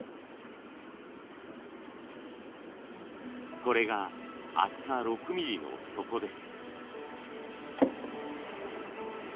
これが厚さ６ｍｍの底です。